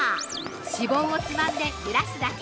脂肪をつまんで揺らすだけ。